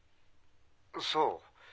そう。